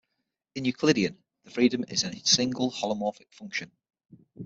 In Euclidean, the freedom is in a single holomorphic function.